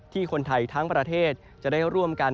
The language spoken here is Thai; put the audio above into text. คนไทยทั้งประเทศจะได้ร่วมกัน